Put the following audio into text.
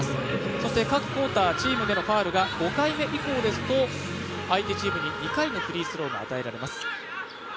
そして各クオーター、チームでのファウルが５回目以降ですと、相手チームに２回のフリースローが与えられます。